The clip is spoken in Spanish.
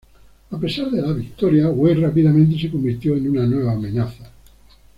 A pesar de la victoria, Wei rápidamente se convirtió en una nueva amenaza.